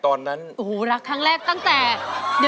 ด้านล่างเขาก็มีความรักให้กันนั่งหน้าตาชื่นบานมากเลยนะคะ